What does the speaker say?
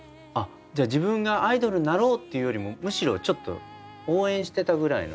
自分がアイドルになろうっていうよりもむしろちょっと応援してたぐらいの。